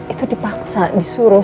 itu dipaksa disuruh